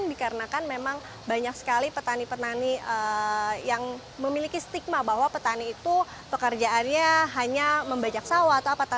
dikarenakan memang banyak sekali petani petani yang memiliki stigma bahwa petani itu pekerjaannya hanya membajak sawah atau apa